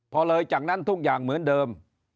พอเลยจากนั้นทุกอย่างเหมือนเดิม